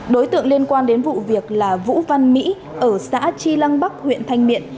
đối tượng liên quan đến vụ việc là vũ văn mỹ ở xã tri lăng bắc huyện thanh miện